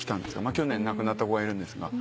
去年亡くなった子がいるんですが。